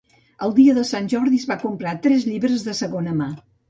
El dia de Sant Jordi es va comprar tres llibres de segona mà.